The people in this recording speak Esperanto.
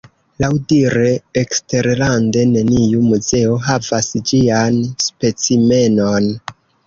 Laŭdire, eksterlande neniu muzeo havas ĝian specimenon.